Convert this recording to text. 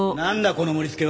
この盛り付けは。